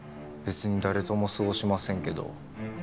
別に誰とも過ごしませんけど。